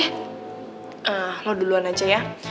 ah lu duluan aja ya